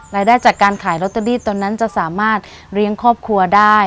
รายได้จากการขายลอตเตอรี่ตอนนั้นจะสามารถเลี้ยงครอบครัวได้